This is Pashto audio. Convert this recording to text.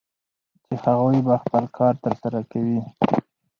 چې هغوی به خپل کار ترسره کوي